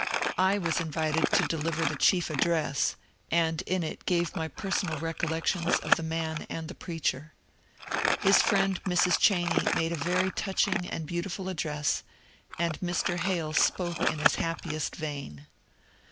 I was invited to deliver the chief address, and in it gave my personal recollec tions of the man and the preacher. His friend Mrs. Cheney made a very touching and beautiful address, and Mr. Hale spoke in his happiest vein.